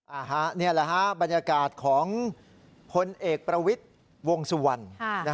นี่แหละฮะบรรยากาศของพลเอกประวิทย์วงสุวรรณ